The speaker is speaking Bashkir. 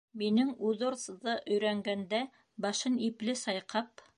Минең үҙорсҙы өйрәнгәндә башын ипле сайҡап: